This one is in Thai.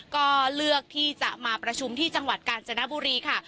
ก็เลือกที่จะมาประชุมที่จังหวัดกาญจนบุรีค่ะ